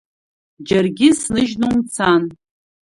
Џьаргьы сныжьны умцан.